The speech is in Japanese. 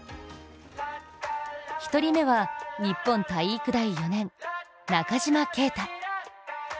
１人目は、日本体育大４年、中島啓太。